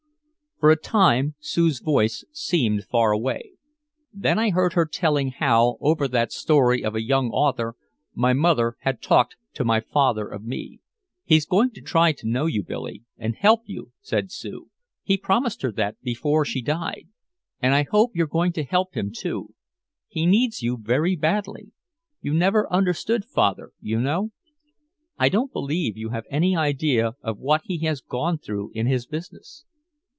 For a time Sue's voice seemed far away. Then I heard her telling how over that story of a young author my mother had talked to my father of me. "He's going to try to know you, Billy, and help you," said Sue. "He promised her that before she died. And I hope you're going to help him, too. He needs you very badly. You never understood father, you know. I don't believe you have any idea of what he has gone through in his business."